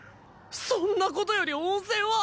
そんなことより温泉は？